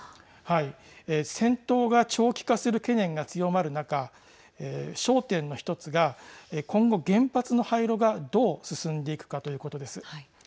戦闘が長期化する懸念が強まる中焦点の一つが今後、原発の廃炉がどう進んでいくかということです。